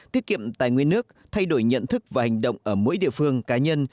tiết kiệm tài nguyên nước thay đổi nhận thức và hành động ở mỗi địa phương cá nhân